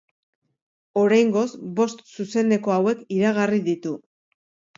Oraingoz bost zuzeneko hauek iragarri ditu.